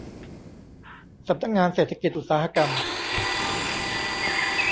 สำนักงานเศรษฐกิจอุตสาหกรรม